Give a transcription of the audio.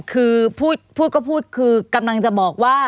คือพูดก็พูดคือกำลังจะบอกว่า